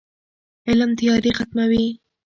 علم تیارې ختموي.